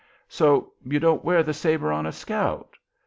"So you don't wear the sabre on a scout?